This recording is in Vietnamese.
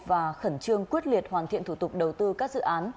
và khẩn trương quyết liệt hoàn thiện thủ tục đầu tư các dự án